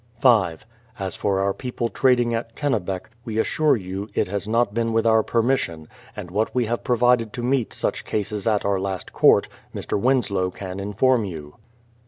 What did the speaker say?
5. As for our people trading at Kennebec, we assure you it has not been with our permission ; and what we have provided to meet such cases at our last court, Llr. Winslow can inform you.